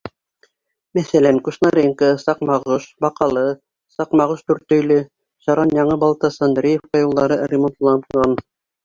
Мәҫәлән, Кушнаренко — Саҡмағош — Баҡалы, Саҡмағош — Дүртөйлө, Шаран — Яңы Балтас — Андреевка юлдары ремонтланған.